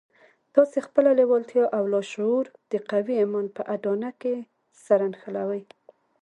تاسې خپله لېوالتیا او لاشعور د قوي ايمان په اډانه کې سره نښلوئ.